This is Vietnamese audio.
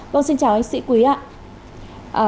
vâng xin chào anh sĩ quý ạ